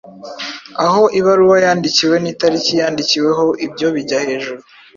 Aho ibaruwa yandikiwe n’itariki yandikiweho: Ibyo bijya hejuru